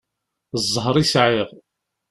Ẓẓher i sɛiɣ.